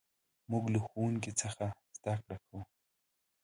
موږ له ښوونکي څخه زدهکړه کوو.